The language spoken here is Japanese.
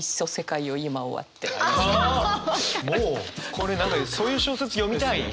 これ何かそういう小説読みたい。